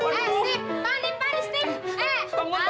pak yuk taruh taruh